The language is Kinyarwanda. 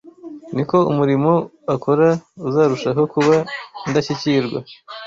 ni ko umurimo akora uzarushaho kuba indashyikirwa